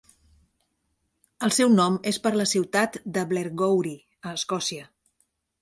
El seu nom és per la ciutat de Blairgowrie a Escòcia.